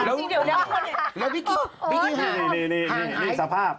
จริงเดี๋ยวแล้วพี่กิ๊กพี่กิ๊ห่างไห้สภาพ